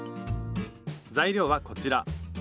材料はこちら。